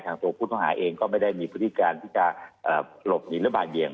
ทางตัวผู้ต้องหาเองก็ไม่ได้มีพฤติการที่จะหลบหยินหรือไม่หยิน